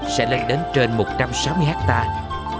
sẽ lên đến trên một trăm sáu mươi hectare